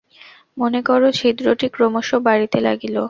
মনে কর, ছিদ্রটি ক্রমশ বাড়িতে লাগিল।